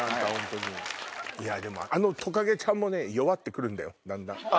あのトカゲちゃんも弱って来るんだよだんだん。